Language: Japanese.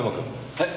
はい。